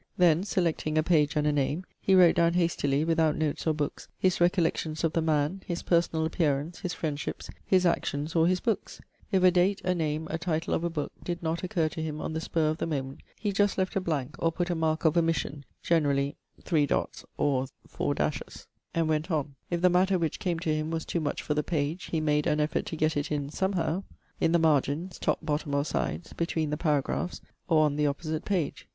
Then, selecting a page and a name, he wrote down hastily, without notes or books, his recollections of the man, his personal appearance, his friendships, his actions or his books. If a date, a name, a title of a book, did not occur to him on the spur of the moment, he just left a blank, or put a mark of omission (generally, ... or ), and went on. If the matter which came to him was too much for the page, he made an effort to get it in somehow, in the margins (top, bottom, or sides), between the paragraphs, or on the opposite page.